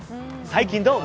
最近どう？